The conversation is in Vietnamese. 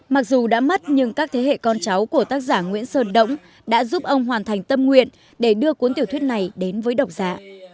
mặc dù đã mắt nhưng các thế hệ con cháu của tác giả nguyễn sơn động đã giúp ông hoàn thành tâm nguyện để đưa cuốn tiểu thuyết này đến với độc giả